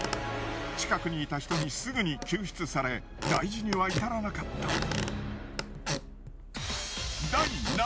近くにいた人にすぐに救出され大事には至らなかった。